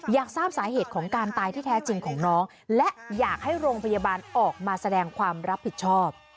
อยากทราบสาเหตุของการตายที่แท้จริงของน้องและอยากให้โรงพยาบาลออกมาแสดงความรับผิดชอบ